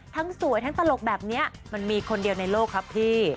สวยทั้งตลกแบบนี้มันมีคนเดียวในโลกครับพี่